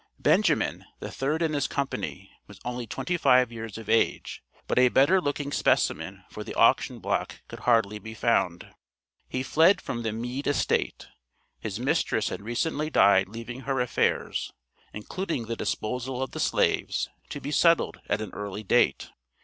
Benjamin, the third in this company, was only twenty years of age, but a better looking specimen for the auction block could hardly be found. He fled from the Meed estate; his mistress had recently died leaving her affairs, including the disposal of the slaves, to be settled at an early date.